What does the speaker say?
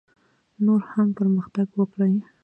نور هم پرمختګ وکړي.